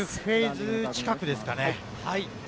２０フェーズ近くですかね。